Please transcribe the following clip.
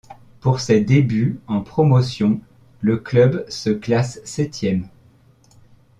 Pour ses débuts en Promotion, le club se classe septième.